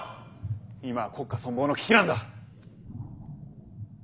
今は国家存亡の危機なんだ。